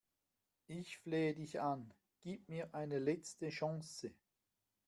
Ich flehe dich an, gib mir eine letzte Chance!